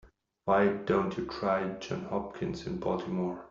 Why don't you try Johns Hopkins in Baltimore?